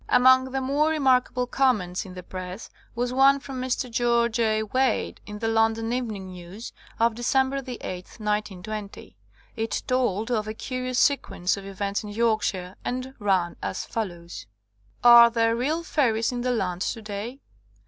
Among the more remarkable comments in the press was one from Mr. George A. Wade in the London Evening Netus of December 8, 1920. It told of a curious sequence of events in Yorkshire, and ran as follows : Are there real fairies in the land to day?